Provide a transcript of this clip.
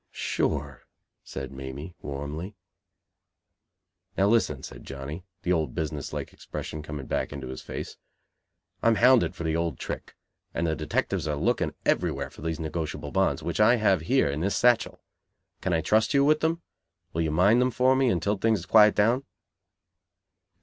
"Sure," said Mamie, warmly. "Now listen," said Johnny, the old business like expression coming back into his face. "I am hounded for the old trick; and the detectives are looking everywhere for these negotiable bonds, which I have here, in this satchel. Can I trust you with them? Will you mind them for me, until things quiet down?"